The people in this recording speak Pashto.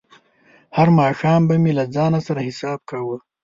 هر ماښام به مې له ځان سره حساب کاوه.